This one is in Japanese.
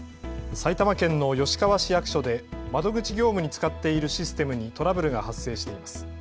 埼玉県の吉川市役所で窓口業務に使っているシステムにトラブルが発生しています。